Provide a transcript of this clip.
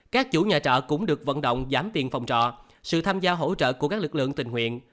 các chủ nhà trọ cũng được vận động giảm tiền phòng trọ sự tham gia hỗ trợ của các lực lượng tình nguyện